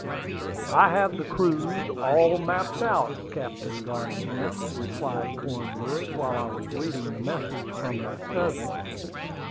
"I have the cruise all mapped out, Captain Garningham," replied Cornwood, while I was reading the message from my cousin.